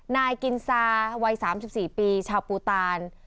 นายกินซาวัย๓๔ปีชาวปูตาน